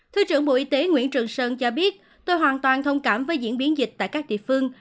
thứ trưởng bộ y tế nguyễn trường sơn cho biết tôi hoàn toàn thông cảm với diễn biến dịch tại các địa phương